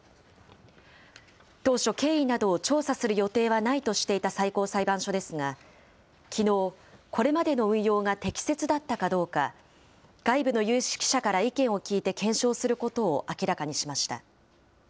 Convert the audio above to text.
当初、経緯などを調査する予定はないとしていた最高裁判所ですが、きのう、これまでの運用が適切だったかどうか、外部の有識者から意見を聞いて検証することを明らかにしました。